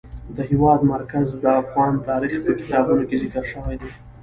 د هېواد مرکز د افغان تاریخ په کتابونو کې ذکر شوی دي.